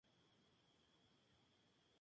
Lee Harvey Oswald muere más tarde.